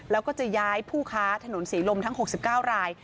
แล้วก็จะย้ายผู้ค้าถนนศรีลมทั้ง๖๙ราย